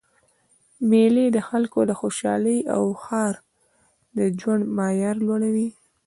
میلې د خلکو د خوشحالۍ او ښار د ژوند معیار لوړوي.